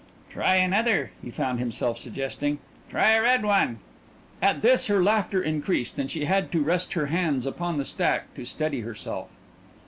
"Try another," he found himself suggesting "try a red one." At this her laughter increased, and she had to rest her hands upon the stack to steady herself.